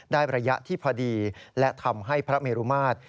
ระยะที่พอดีและทำให้พระเมรุมาตร